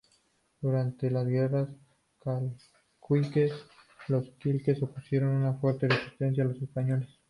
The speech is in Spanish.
Durante las guerras calchaquíes, los quilmes opusieron una fuerte resistencia a los españoles.